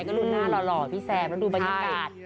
ก็รุ่นหน้าหล่อพี่แซมแล้วดูบรรยากาศ